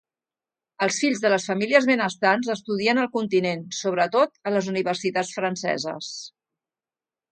Els fills de les famílies benestants estudien al continent, sobretot a les universitats franceses.